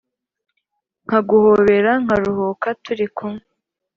Nkaguhobera nkaruhuka turi kumwe